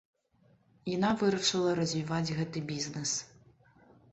Яна вырашыла развіваць гэты бізнес.